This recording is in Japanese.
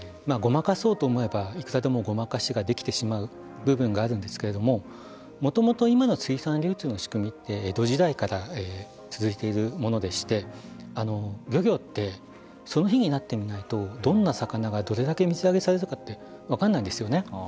ごまかそうと思えばいくらでもごまかしができてしまう部分があるんですけれどももともと今の水産流通の仕組みって江戸時代から続いているものでして漁業ってその日になってみないとどんな魚が、どれだけ水揚げされるかって分からないんですよね。